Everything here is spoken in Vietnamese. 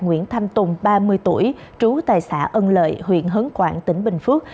nguyễn thanh tùng ba mươi tuổi trú tài xã ân lợi huyện hấn quảng tỉnh bình phước